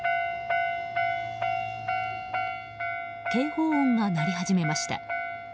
警報音が鳴り始めました。